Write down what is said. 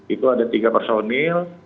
itu ada tiga personil